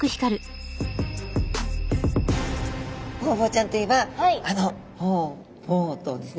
ホウボウちゃんといえばあの「ホーボー」とですね